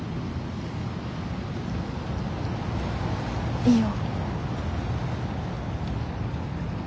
いいよ。